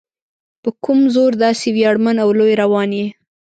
په کوم زور داسې ویاړمن او لوی روان یې؟